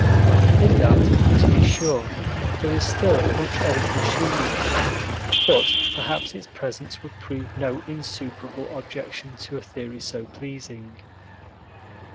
In that, to be sure, there is still much old machinery, but perhaps its presence would prove no insuperable objection to a theory so pleasing.